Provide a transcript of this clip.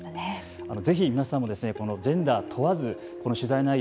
ぜひ皆さんもこのジェンダー問わず取材内容